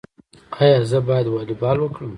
ایا زه باید والیبال وکړم؟